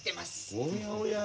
おやおやあ